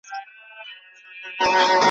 ډېوه پر لګېدو ده څوک به ځی څوک به راځي